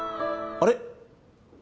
あれ？